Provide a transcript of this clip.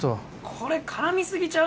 これ絡み過ぎちゃう？